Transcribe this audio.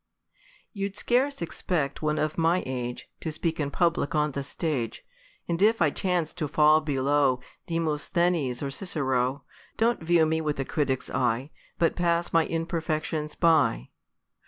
YOU'D scarce expect one of my age, To speak in public, on the stage ; And if I chance to fall below Demosthenes or Cicero, Don't view me with a critic's eye, B*v*t pass my imperfectioius by.